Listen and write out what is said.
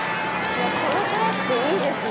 このトラックいいですね。